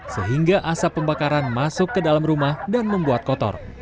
sehingga asap pembakaran masuk ke dalam rumah dan membuat kotor